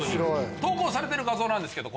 投稿されてる画像です